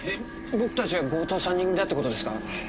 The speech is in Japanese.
僕たちが強盗３人組だって事ですか？